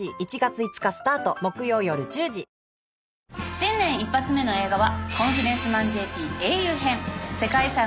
新年一発目の映画は。